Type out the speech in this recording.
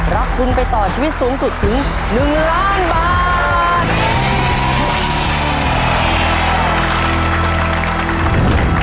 รับทุนไปต่อชีวิตสูงสุดถึง๑ล้านบาท